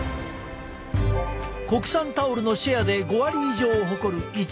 国産タオルのシェアで５割以上を誇る一大産地。